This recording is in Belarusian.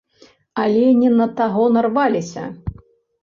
Але не на таго нарваліся.